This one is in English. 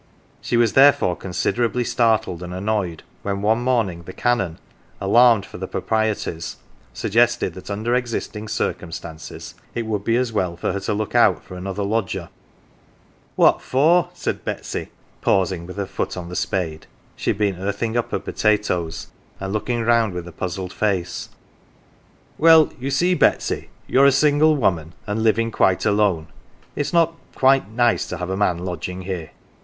She was therefore considerably startled and annoyed when one morning the Canon, alarmed for the proprieties, suggested that under existing circumstances it would be as well for her to look out for another lodger. " What for ?" said Betsy, pausing with her foot on the spade she had been earthing up her potatoes and looking round with a puzzled face. " Well, you see, Betsy, you're a single woman, and living quite alone it's not (ahem !) quite nice to have a man lodging here.